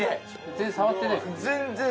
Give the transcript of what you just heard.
全然触ってないですもんね